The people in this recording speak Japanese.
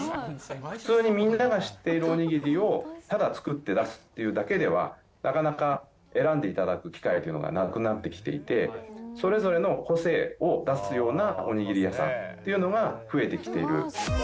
普通にみんなが知っているおにぎりを、ただ作って出すっていうだけでは、なかなか選んでいただく機会というのがなくなってきていて、それぞれの個性を出すようなおにぎり屋さんっていうのが増えてきている。